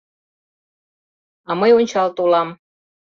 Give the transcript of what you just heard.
А мый ончал толам.